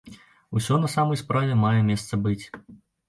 Усё на самай справе мае месца быць.